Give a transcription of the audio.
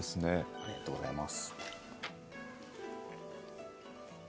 ありがとうございます。